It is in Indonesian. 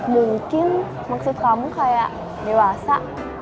mungkin maksud kamu kayak dewasa